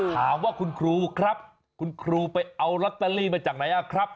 ถามว่าคุณครูครับคุณครูไปเอาลอตเตอรี่มาจากไหนครับ